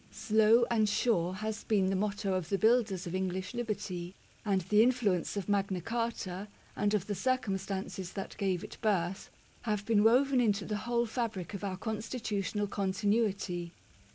" Slow and sure " has been the motto of the builders of English liberty ; and the influence of Magna Carta, and of the circumstances that gave it birth, have been woven into the whole fabric of our constitutional continuity.